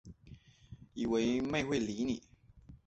以为妹会理你